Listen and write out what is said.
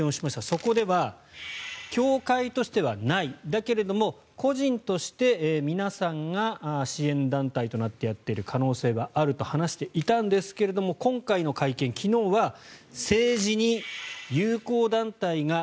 そこでは教会としてはないだけれども個人として皆さんが支援団体となってやっている可能性はあると話していたんですけれども今回の会見、昨日は政治に友好団体が